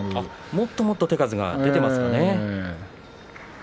もっともっと手数が出ていますかね。